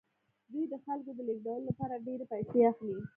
دوی د خلکو د لیږدولو لپاره ډیرې پیسې اخلي